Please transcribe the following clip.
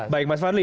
baik mas fadli